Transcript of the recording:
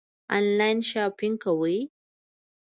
آنلاین شاپنګ کوئ؟